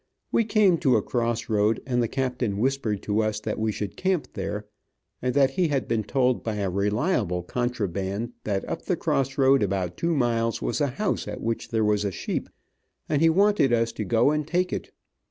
We came to a cross road, and the captain whispered to us that we should camp there, and that he had been told by a reliable contraband that up the cross road about two miles was a house at which there was a sheep, and he wanted us to go and take it.